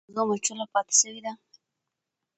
آیا دا موضوع مجهوله پاتې سوې ده؟